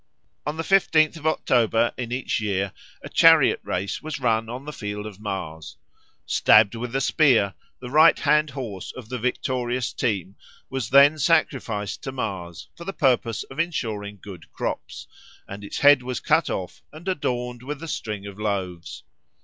On the fifteenth of October in each year a chariot race was run on the Field of Mars. Stabbed with a spear, the right hand horse of the victorious team was then sacrificed to Mars for the purpose of ensuring good crops, and its head was cut off and adorned with a string of loaves.